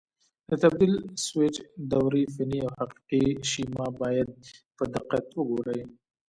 د تبدیل سویچ دورې فني او حقیقي شیما باید په دقت وګورئ.